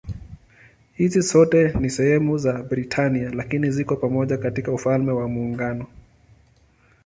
Hizi zote si sehemu ya Britania lakini ziko pamoja katika Ufalme wa Muungano.